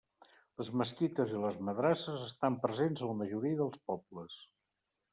Les mesquites i les madrasses estan presents a la majoria dels pobles.